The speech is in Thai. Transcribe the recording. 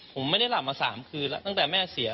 ผมไม่ได้หลับมา๓คืนแล้วตั้งแต่แม่เสีย